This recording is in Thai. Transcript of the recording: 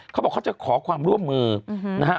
เขาบอกเขาจะขอความร่วมมือนะฮะ